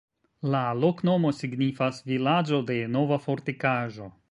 La loknomo signifas: vilaĝo de nova fortikaĵo.